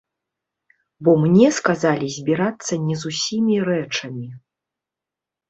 Бо мне сказалі збірацца не з усімі рэчамі.